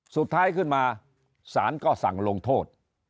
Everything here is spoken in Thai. สุดท้ายขึ้นมาศาลก็สั่งลงโทษ